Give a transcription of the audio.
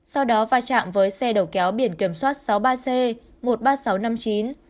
sau đó va chạm với xe đầu kéo biển kiểm soát sáu mươi ba c một mươi ba nghìn sáu trăm năm mươi chín